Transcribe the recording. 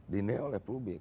dine oleh publik